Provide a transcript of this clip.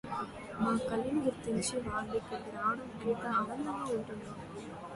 మా కళను గుర్తించి వాళ్ళు ఇక్కడికి రావడం ఎంతో ఆనందంగా ఉంటుంది.